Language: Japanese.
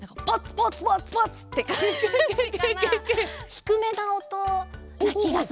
ひくめなおとなきがする！